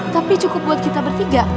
tapi cukup buat kita bertiga